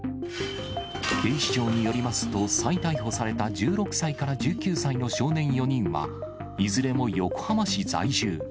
警視庁によりますと、再逮捕された１６歳から１９歳の少年４人は、いずれも横浜市在住。